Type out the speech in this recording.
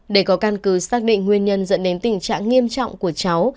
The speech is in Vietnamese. để có căn cứ xác định nguyên nhân dẫn đến tình trạng nghiêm trọng của cháu